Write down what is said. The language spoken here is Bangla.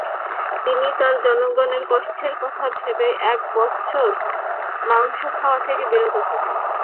তিনি তার জনগণের কষ্টের কথা ভেবে প্রায় এক বছর মাংস খাওয়া থেকে বিরত থাকেন।